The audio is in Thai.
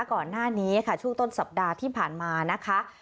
ก่อนหน้านี้ค่ะช่วงต้นสัปดาห์ที่ผ่านมานะคะ